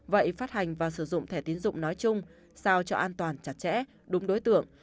vậy phát hành và sử dụng thẻ tiến dụng nói chung sao cho an toàn chặt chẽ đúng đối tượng